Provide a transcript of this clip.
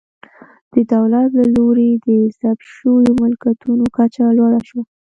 د دولت له لوري د ضبط شویو ملکیتونو کچه لوړه شوه